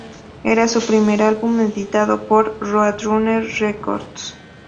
Era su primer álbum editado por Roadrunner Records.